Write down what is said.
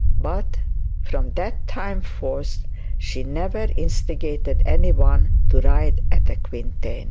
But from that time forth she never instigated any one to ride at the quintain.